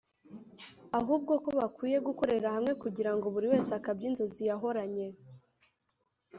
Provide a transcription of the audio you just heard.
ahubwo ko bakwiye gukorera hamwe kugirango buri wese akabye inzozi yahoranye